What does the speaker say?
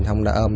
không đã ôm